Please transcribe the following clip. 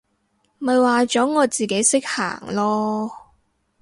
咪話咗我自己識行囉！